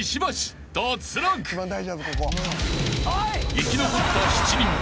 ［生き残った７人は］